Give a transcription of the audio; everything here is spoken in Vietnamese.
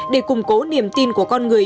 để củng cố niềm tin của con người